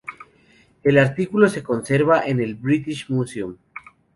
El artículo se conserva en el British Museum.